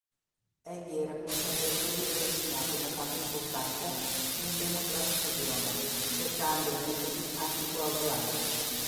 Egli era consapevole di avere segnato una tappa importante nell'emotrasfusione, cercando metodi anticoagulanti.